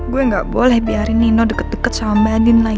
gue gak boleh biarin nino deket deket sama mbak din lah